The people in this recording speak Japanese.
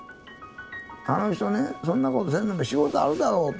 あの人ねそんなことせんでも仕事あるだろうと。